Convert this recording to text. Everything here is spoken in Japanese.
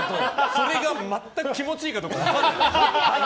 それが全く気持ちいいかどうか分からない。